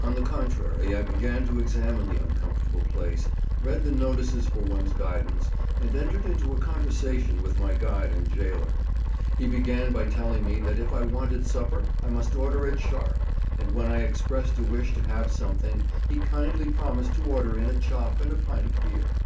On the contrary, I began to examine the uncomfortable place, read the notices for one's guidance, and entered into a conversation with my guide and gaoler. He began by telling me that if I wanted supper I must order it sharp; and when I expressed a wish to have something, he kindly promised to order in a chop and a pint of beer.